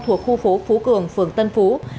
thuộc khu phố phú cường phường tân phú